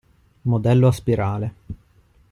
Modello a spirale.